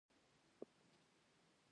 خپل شخصي اسناد ټول زما سره موجود دي.